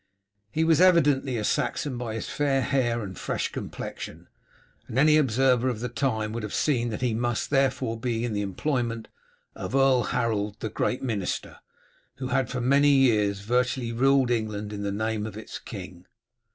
He was evidently a Saxon by his fair hair and fresh complexion, and any observer of the time would have seen that he must, therefore, be in the employment of Earl Harold, the great minister, who had for many years virtually ruled England in the name of its king.